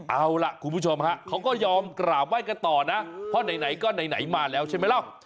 เอาล่ะคุณผู้ชมฮะเขาก็ยอมกราบไห้กันต่อนะเพราะไหนก็ไหนมาแล้วใช่ไหมล่ะ